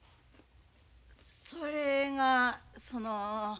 それがその。